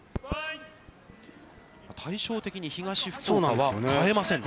対照的に東福岡は、代えませんね。